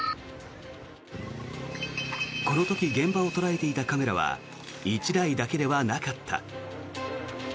この時現場を捉えていたカメラは１台だけではなかった。